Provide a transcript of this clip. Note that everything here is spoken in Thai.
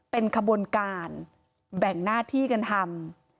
เป็นขบวนการแบ่งหน้าที่กันทำ